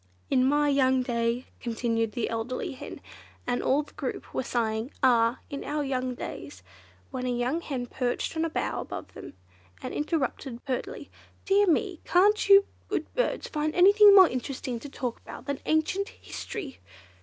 "In my young day," continued the elderly hen, and all the group were sighing, "Ah! in our young days!" when a young hen perched on a bough above them, and interrupted pertly, "Dear me, can't you good birds find anything more interesting to talk about than ancient history?"